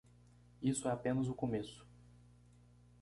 Isso é apenas o começo.